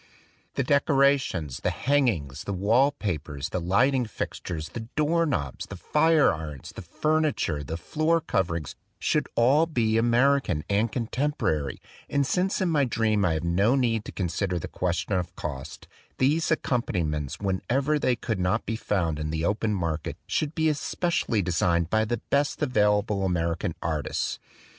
The decorations, the hangings, the wall papers, THE DWELLING OF A DAY DREAM the lighting fixtures, the door knobs, the fire irons, the furniture, the floor coverings should all be American, and contemporary; and since in my dream I have no need to consider the question of cost, these accompaniments, when ever they could not be found in the open mar ket, should be especially designed by the best available American artists.